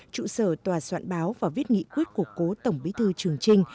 trụ sở tòa soạn báo và viết nghị quyết của cố tổng bí thư trường trinh